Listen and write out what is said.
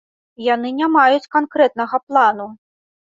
Яны не маюць канкрэтнага плану.